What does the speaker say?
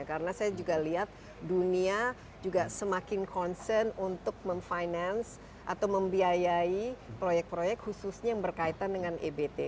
karena saya juga lihat dunia juga semakin concern untuk memfinance atau membiayai proyek proyek khususnya yang berkaitan dengan ebt